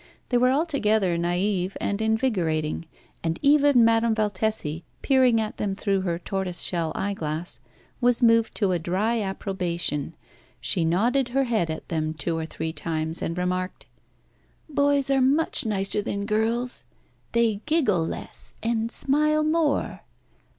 They were altogether naïve and invigorating, and even Madame Valtesi, peering at them through her tortoise shell eyeglass, was moved to a dry approbation. She nodded her head at them two or three times, and remarked "Boys are much nicer than girls. They giggle less, and smile more.